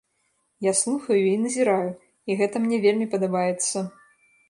Я слухаю і назіраю, і гэта мне вельмі падабаецца.